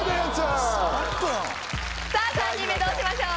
さあ３人目どうしましょう？